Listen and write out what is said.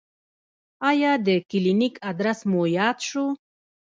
ایا د کلینیک ادرس مو یاد شو؟